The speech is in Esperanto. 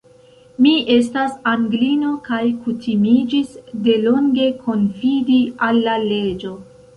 Mi estas Anglino, kaj kutimiĝis de longe konfidi al la leĝo.